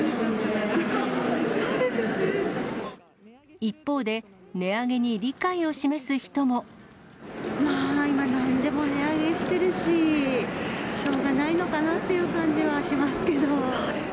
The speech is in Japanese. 一方で、値上げに理解を示すまあ、今、なんでも値上げしてるし、しょうがないのかなっていう感じはしますけど。